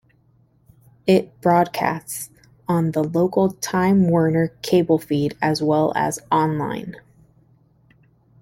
It broadcasts on the local Time Warner Cable feed, as well as online.